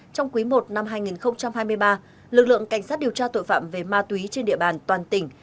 trong quý i năm hai nghìn hai mươi ba lực lượng cảnh sát điều tra tội phạm về ma túy trên địa bàn toàn tỉnh